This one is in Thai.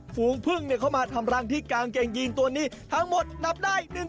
ฝูงพึ่งเข้ามาทำรังที่กางเกงยีนตัวนี้ทั้งหมดนับได้